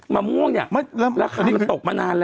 มาม่วงเนี่ยราคาไปตกมานานแล้ว